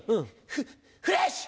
フフレッシュ！